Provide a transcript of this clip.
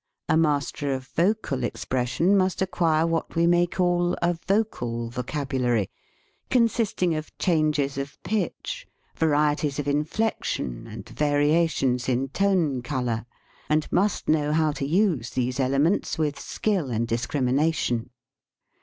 A master of vocal expression must acquire what we may call a vocal vocabulary, consisting of changes of pitch, varieties of inflection, and variations in tone color, and must know how to use these elements with skill and discrimi nation.